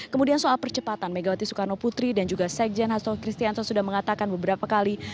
kemudian soal percepatan megawati soekarno putri dan juga sekjen hasto kristianto sudah mengatakan beberapa kali